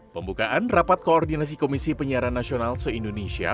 pembukaan rapat koordinasi komisi penyiaran nasional se indonesia